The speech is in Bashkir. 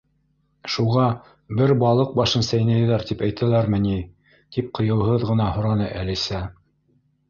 —Шуға «Бер балыҡ башын сәйнәйҙәр» тип әйтәләрме ни? — тип ҡыйыуһыҙ ғына һораны Әлисә.